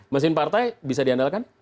mesin partai bisa diandalkan